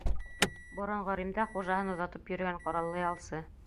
Боронғо Римда хужаһын оҙатып йөрөгән ҡораллы ялсы.